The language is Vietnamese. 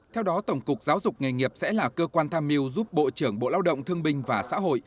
theo đó tổng cục giáo dục nghề nghiệp sẽ là cơ quan tham mưu giúp bộ trưởng bộ lao động thương binh và xã hội